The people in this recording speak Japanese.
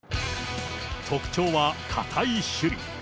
特徴は堅い守備。